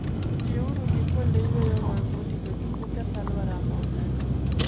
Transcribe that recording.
Tiuru gi kuonde yweyo mag udi, to kik uketh alwora ma udakie.